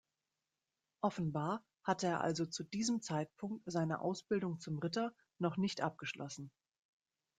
Offenbar hatte er also zu diesem Zeitpunkt seine Ausbildung zum Ritter noch nicht abgeschlossen.